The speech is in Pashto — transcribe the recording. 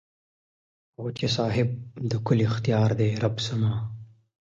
چې صاحب د کل اختیار دې رب زما